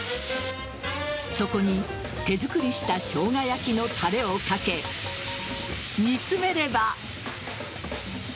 そこに手作りしたしょうが焼きのタレをかけ煮詰めれば。